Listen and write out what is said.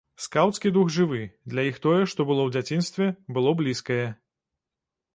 Скаўцкі дух жывы, для іх тое, што было ў дзяцінстве, было блізкае.